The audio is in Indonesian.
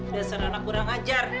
dasar anak kurang ajar